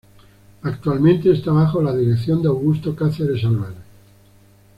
Actualmente está bajo la dirección de Augusto Cáceres Álvarez.